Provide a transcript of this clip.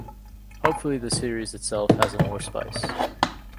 Hopefully the series itself has more spice.